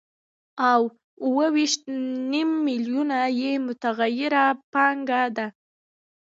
او اوه ویشت نیم میلیونه یې متغیره پانګه ده